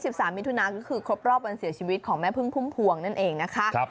วันที่๑๓มิถุนายนนี้คือครบรอบวันเสียชีวิตของแม่พึ่งพุ่มพวงนั่นเองนะคะ